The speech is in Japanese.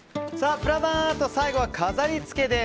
プラバンアート最後は飾りつけです。